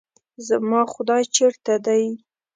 زما خداے چرته دے؟